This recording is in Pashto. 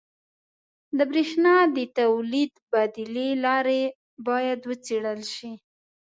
• د برېښنا د تولید بدیلې لارې باید وڅېړل شي.